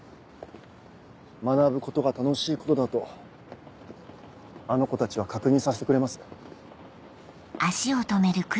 学ぶことが楽しいことだとあの子たちは確認させてくれます。